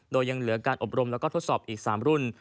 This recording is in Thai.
โดยยังเหลือการอบรมแล้วก็ทดสอบอีก๓รุ่น